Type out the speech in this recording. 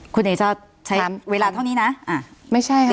คุณเดชาตร์ใช้เวลาเท่านี้นะไม่ใช่ค่ะ